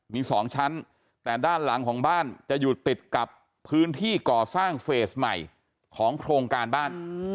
มี๒ชั้นแต่ด้านหลังของบ้านจะอยู่ติดกับพื้นที่ก่อสร้างเฟสใหม่ของโครงการบ้าน